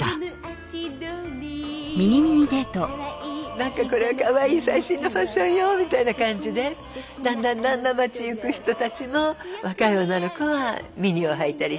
なんかこれはかわいい最新のファッションよみたいな感じでだんだんだんだん街行く人たちも若い女の子はミニをはいたりして。